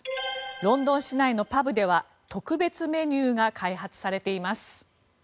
ロンドン市内のパブでは特別メニューが開発されています。